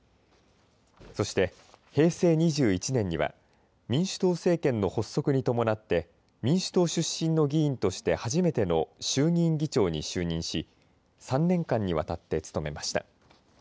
そして平成２１年には民主党政権の発足に伴って民主党出身の議員として初めての衆議院議長に就任し３年間にわたって務めました。